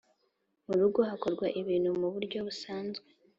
murugo hakorwa ibintu mu buryo busanzwe